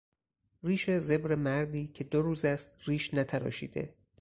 ریش زبر مردی که دو روز است ریش نتراشیده